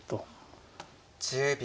１０秒。